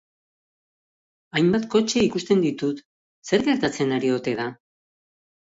Hainbat kotxe ikusten ditut, zer gertatzen ari ote da?